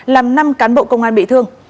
làm năm cán bộ công an bị thương